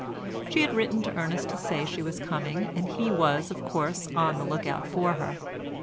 She had written to Ernest to say she was coming and he was of course on the look out for her.